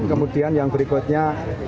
kemudian yang berikutnya